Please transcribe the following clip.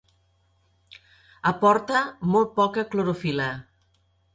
Aporta molt poca clorofil·la.